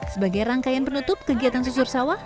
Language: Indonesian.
sebagai rangkaian penutup kegiatan susur sawah